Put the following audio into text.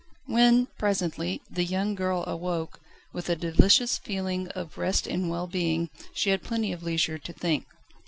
When, presently, the young girl awoke, with a delicious feeling of rest and well being, she had plenty of leisure to think.